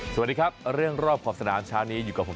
สวัสดีครับเรื่องรอบขอบสนามเช้านี้อยู่กับผม